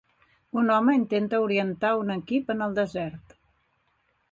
Un home intenta orientar un equip en el desert.